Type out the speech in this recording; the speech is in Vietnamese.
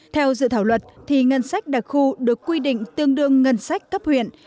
theo dự thảo luật thì ngân sách đặc khu được quy định tương đương ngân sách cấp huyện